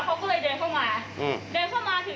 เขาก็เลยรีบขี่รถหนี